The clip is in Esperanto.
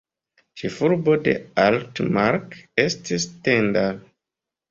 Ĉefurbo de Altmark estis Stendal.